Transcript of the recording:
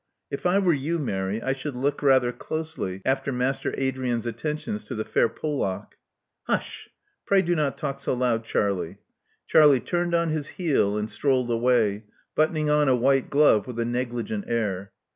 If I were you, Mary, I should look rather closely after Master Adrian's attentions to the fair Polack." Hush. Pray do not talk so loud, Charlie." Charlie turned on his heel, and strolled away, button ing on a white glove with a negligent air.